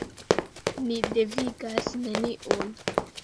Ni devigas neniun.